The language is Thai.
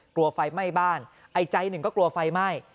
กลัวไฟไหม้บ้านไอ้ใจหนึ่งก็กลัวไฟไหม้